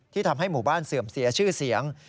ทำให้หมู่บ้านเสื่อมเสียชื่อเสียง